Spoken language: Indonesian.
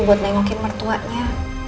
buat nengokin mertuanya